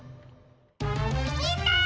みんな！